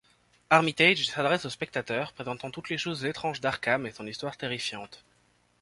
Armitage s’adresse aux spectateurs, présentant toutes les choses étranges d’Arkham et son histoire terrifiante.